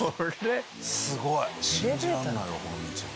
すごい。信じられないわこの道。